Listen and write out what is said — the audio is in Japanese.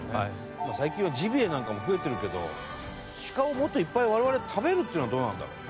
最近はジビエなんかも増えてるけどシカをもっといっぱい我々食べるっていうのはどうなんだろう？